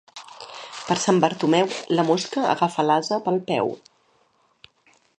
Per Sant Bartomeu, la mosca agafa l'ase pel peu.